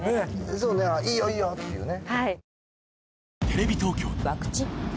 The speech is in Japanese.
そうねいいよいいよっていうね。